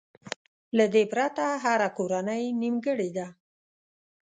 له دې پرته هره کورنۍ نيمګړې ده.